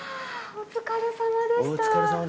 お疲れさまです。